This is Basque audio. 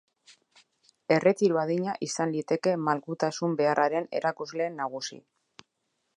Erretiro adina izan liteke malgutasun beharraren erakusle nagusi.